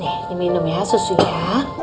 ini minum ya susunya